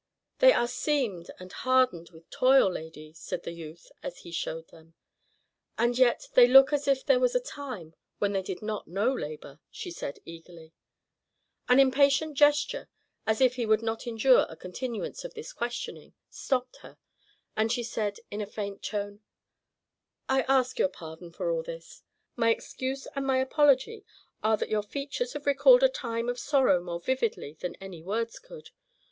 "They are seamed and hardened with toil, lady," said the youth, as he showed them. "And yet they look as if there was a time when they did not know labor," said she, eagerly. An impatient gesture, as if he would not endure a continuance of this questioning, stopped her, and she said in a faint tone, "I ask your pardon for all this. My excuse and my apology are that your features have recalled a time of sorrow more vividly than any words could.